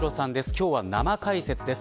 今日は生解説です。